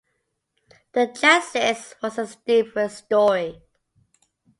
The chassis was a different story.